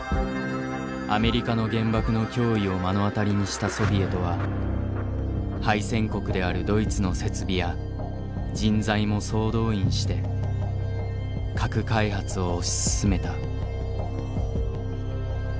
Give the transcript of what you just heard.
アメリカの原爆の脅威を目の当たりにしたソビエトは敗戦国であるドイツの設備や人材も総動員して核開発を推し進めた。